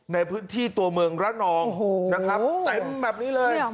ในพื้นที่ตัวเมืองระนองนะครับเต็มแบบนี้เลย